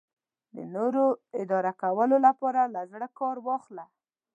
د نورو اداره کولو لپاره له زړه کار واخله.